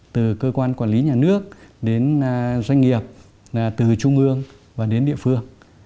từ cơ quan quản lý nhà nước đến doanh nghiệp từ trung ương và đến địa phương